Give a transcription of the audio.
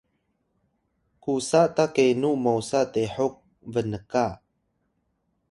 kusa ta kenu mosa tehok Bnka?